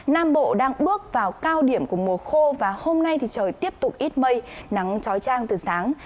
nam bộ đang bước vào cao điểm của mùa khô và hôm nay thì trời tiếp tục ít mây nắng trói trang từ sáng